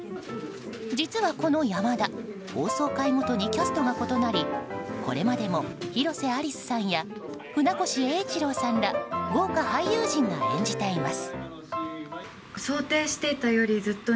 実はこの山田放送回ごとにキャストが異なりこれまでも広瀬アリスさんや船越英一郎さんら豪華俳優陣が演じています。